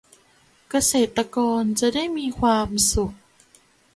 เกษตรกรจะได้มีความสุข